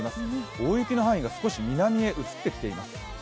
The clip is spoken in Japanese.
大雪の範囲が少し南に移ってきています。